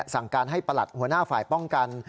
สั่งการให้ประหลัดหัวหน้าฝ่ายป้องกัน